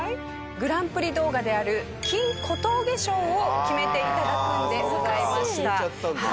グランプリ動画である金小峠賞を決めていただくのでございました。